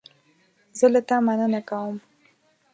زه له تا مننه کوم.